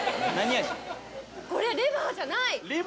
これレバーじゃない？